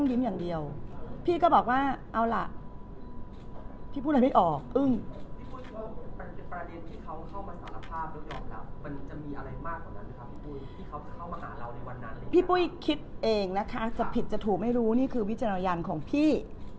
พี่ปุ้ยคิดเองนะคะจะผิดจะถูกไม่รู้นี่คือวิจารณญาณของพี่